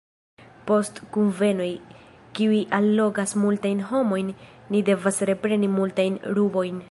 Post kunvenoj, kiuj allogas multajn homojn, ni devas repreni multajn rubojn.